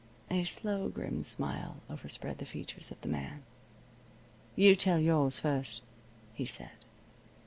A slow, grim smile overspread the features of the man. "You tell yours first," he said.